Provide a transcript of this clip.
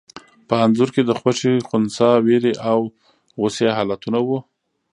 په انځور کې د خوښي، خنثی، وېرې او غوسې حالتونه وو.